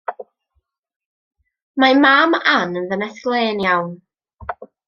Mae mam Anne yn ddynes glên iawn.